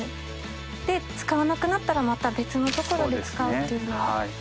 使わなくなったらまた別の所で使うというのが。